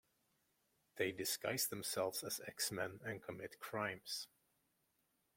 They disguise themselves as X-Men and commit crimes.